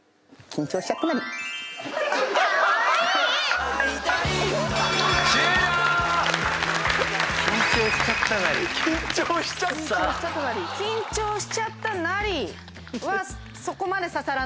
「緊張しちゃったナリ」「緊張しちゃったナリ」は。